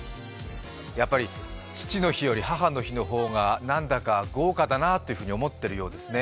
やっぱり父の日より母の日の方がなんだか豪華だなというふうに思っているようですね。